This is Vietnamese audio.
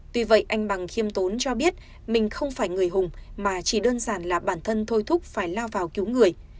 tuy vậy anh bằng khiêm tốn cho biết mình không phải người hùng mà chỉ đơn giản là bản thân thôi thúc phải lao vào cứu người